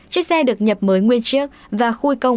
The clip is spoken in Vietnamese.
chiếc xe được nhập mới nguyên chiếc và khui công